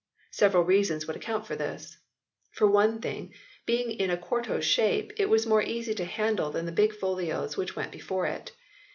Several reasons would account for this. For one thing, being in quarto shape, it was more easy to handle than the big folios which went before it.